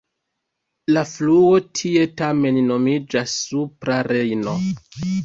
La fluo tie tamen nomiĝas Supra Rejno.